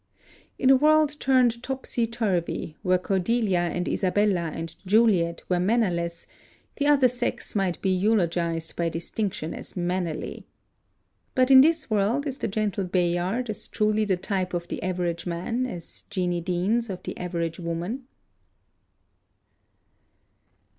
In a world turned topsy turvy, where Cordelia and Isabella and Juliet were mannerless, the other sex might be eulogized by distinction as mannerly. But in this world is the gentle Bayard as truly the type of the average man as Jeanie Deans of the average woman?